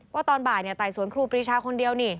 ตอนบ่ายไต่สวนครูปรีชาคนเดียวนี่